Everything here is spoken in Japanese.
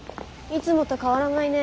いつもと変わらないね。